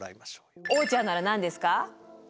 おーちゃんなら何ですか？